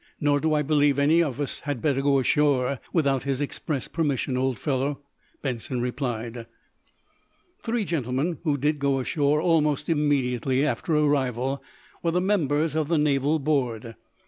Nor do I believe any of us had better go ashore, without his express permission, old fellow," Benson replied. Three gentlemen who did go ashore almost immediately after arrival were the members of the naval board.